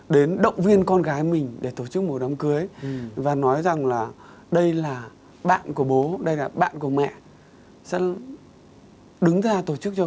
để chụp ảnh cho cô dâu chú rẻ